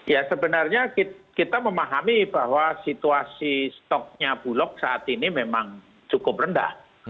ya sebenarnya kita memahami bahwa situasi stoknya bulog saat ini memang cukup rendah